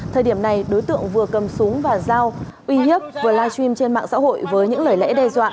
thời điểm này đối tượng vừa cầm súng và dao uy hiếp vừa live stream trên mạng xã hội với những lời lẽ đe dọa